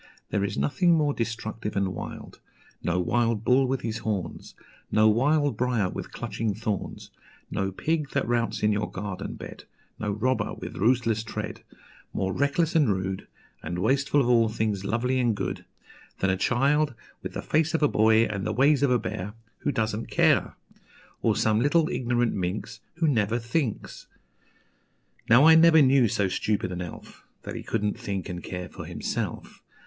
There is nothing more destructive and wild, No wild bull with his horns, No wild briar with clutching thorns, No pig that routs in your garden bed, No robber with ruthless tread, More reckless and rude, And wasteful of all things lovely and good, Than a child, with the face of a boy and the ways of a bear, Who doesn't care; Or some little ignorant minx Who never thinks. Now I never knew so stupid an elf, That he couldn't think and care for himself.